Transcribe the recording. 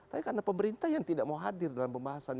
tapi karena pemerintah yang tidak mau hadir dalam pembahasan